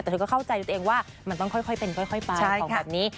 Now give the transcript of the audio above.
แต่เธอก็เข้าใจตัวเองว่ามันต้องค่อยเป็นค่อยไปบอกแบบนี้